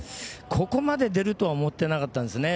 ここまで出るとは思っていなかったですね。